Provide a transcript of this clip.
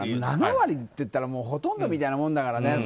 ７割っていったらほとんどみたいなもんだからね。